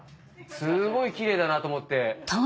すごいキレイだなと思って。